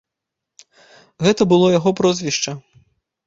Гэта было яго прозвішча.